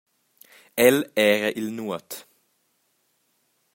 El era il nuot.